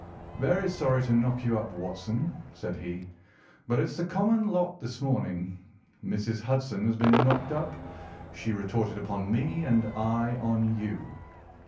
"Very sorry to knock you up, Watson," said he, "but it's the common lot this morning. Mrs. Hudson has been knocked up, she retorted upon me, and I on you."